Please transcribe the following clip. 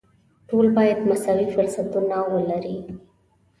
ټول باید مساوي فرصتونه ولري.